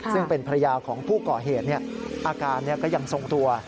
ซึ่งเป็นภรรยาของผู้ก่อเหตุอาการก็ยังทรงตัว